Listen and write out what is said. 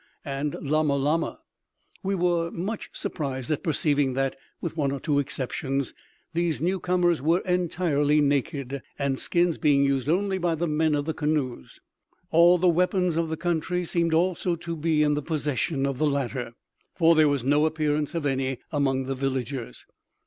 and Lama Lama! We were much surprised at perceiving that, with one or two exceptions, these new comers were entirely naked, and skins being used only by the men of the canoes. All the weapons of the country seemed also to be in the possession of the latter, for there was no appearance of any among the villagers.